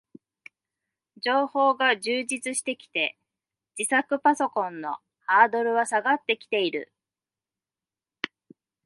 情報が充実してきて、自作パソコンのハードルは下がってきている